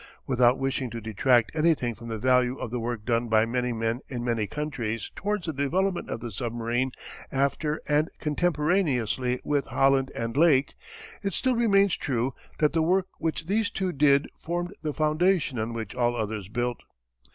Without wishing to detract anything from the value of the work done by many men in many countries towards the development of the submarine after and contemporaneously with Holland and Lake, it still remains true that the work which these two did formed the foundation on which all others built.